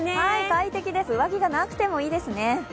快適です、上着がなくてもいいですね。